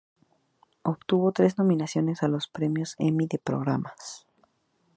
Obtuvo tres nominaciones a los Premios Emmy de Programas.